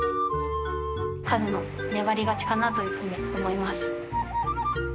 和の粘り勝ちかなというふうに思います。